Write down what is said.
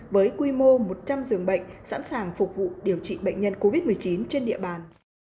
với quy mô một trăm linh giường bệnh sẵn sàng phục vụ điều trị bệnh nhân covid một mươi chín trên địa bàn